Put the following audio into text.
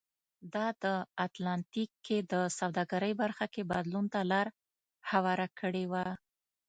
دا د اتلانتیک کې د سوداګرۍ برخه کې بدلون ته لار هواره کړې وه.